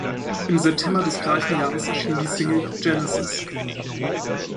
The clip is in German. Im September des gleichen Jahres erschien die Single „Genesis“.